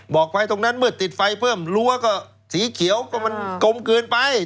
ไฟตรงนั้นเมื่อติดไฟเพิ่มรั้วก็สีเขียวก็มันกลมเกินไป